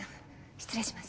失礼します。